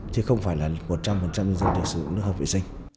chứ không phải là một trăm linh nhân dân để sử dụng nước hợp vệ sinh